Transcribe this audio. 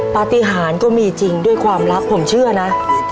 ปฏิหารก็มีจริงด้วยความรักผมเชื่อนะ